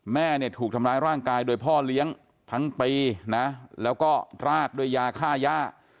แม่เนี่ยถูกทำร้ายร่างกายโดยพ่อเลี้ยงทั้งปีนะแล้วก็ราดด้วยยาฆ่าย่า